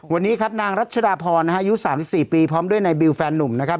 วันนี้ครับนางรัชดาพรนะฮะยุดสามสิบสี่ปีพร้อมด้วยในบิลแฟนหนุ่มนะครับ